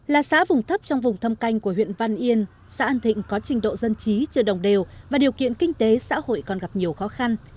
là xã vùng thấp trong vùng thâm canh của huyện văn yên xã an thịnh có trình độ dân trí chưa đồng đều và điều kiện kinh tế xã hội còn gặp nhiều khó khăn